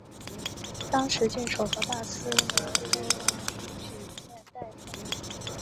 当时郡守和大司农都举荐戴封。